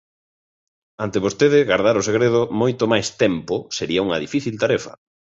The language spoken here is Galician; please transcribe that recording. Ante vostede, gardar o segredo moito máis tempo sería unha difícil tarefa.